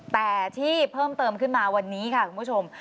แต่ที่เพิ่มเติมขึ้นมาวันนี้ค่ะคุณผู้ชม